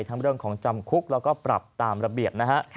ทั้งเรื่องของจำคุกแล้วก็ปรับตามระเบียบนะฮะ